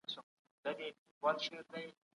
تعليم د ژوند برخه ده.